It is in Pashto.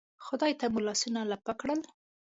خدای ته مو لاسونه لپه کړل.